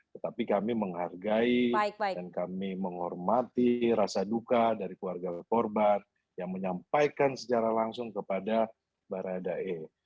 tetapi kami menghargai dan kami menghormati rasa duka dari keluarga korban yang menyampaikan secara langsung kepada baradae